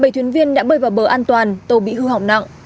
bảy thuyền viên đã bơi vào bờ an toàn tàu bị hư hỏng nặng